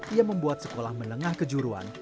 ia membuat sekolah menengah kejuruan